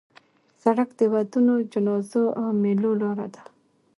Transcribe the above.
سړک د ودونو، جنازو او میلو لاره ده.